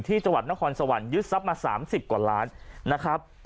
จังหวัดนครสวรรค์ยึดทรัพย์มา๓๐กว่าล้านนะครับ